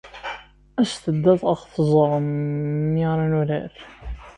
Aset-d ad aɣ-teẓrem mi ara nurar.